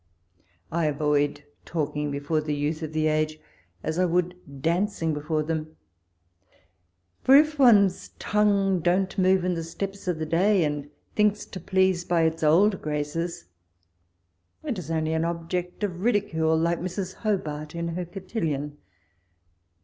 T avoid talking before the youth of the age as I would dancing before them ; for if one's tongue don't move in the steps of the day, and thinks to please by its old graces, it is only an object of ridicule, like Mrs. Hobart in her cotillon.